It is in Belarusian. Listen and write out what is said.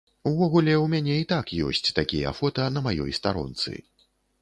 Увогуле, у мяне і так ёсць такія фота на маёй старонцы.